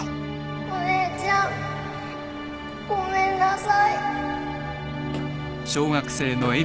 お姉ちゃんごめんなさい